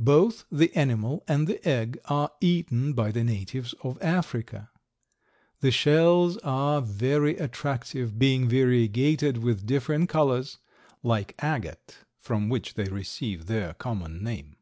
Both the animal and the egg are eaten by the natives of Africa. The shells are very attractive, being variegated with different colors, like agate, from which they receive their common name.